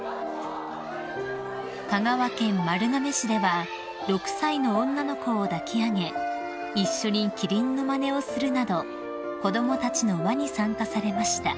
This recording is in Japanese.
［香川県丸亀市では６歳の女の子を抱き上げ一緒にキリンのまねをするなど子供たちの輪に参加されました］